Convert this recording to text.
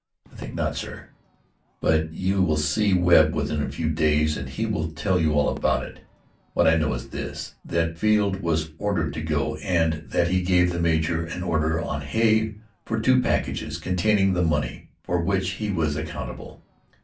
"I think not, sir; but you will see Webb within a few days and he will tell you all about it. What I know is this, that Field was ordered to go and that he gave the major an order on Hay for two packages containing the money for which he was accountable.